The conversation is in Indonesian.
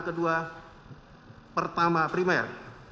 kedua pertama primer